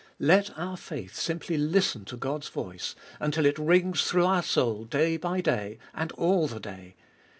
2. Let our faith simply listen to God's voice, until it rings through our soul day by day, and all the day.